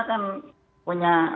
ya kan orang tua kan punya